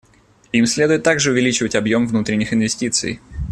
Им следует также увеличивать объем внутренних инвестиций.